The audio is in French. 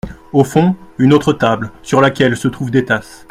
Au fond, une autre table, sur laquelle se trouvent des tasses.